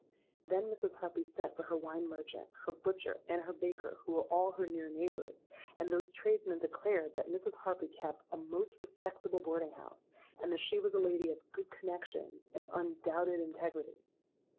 Then Mrs. Harpy sent for her wine merchant, her butcher, and her baker, who were all her near neighbours: and those tradesmen declared that Mrs. Harpy kept a most respectable boarding house, and that she was a lady of good connexions and undoubted integrity.